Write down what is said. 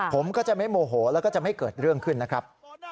ผมก็จะไม่โมโหแล้วก็จะไม่เกิดเรื่องขึ้นนะครับ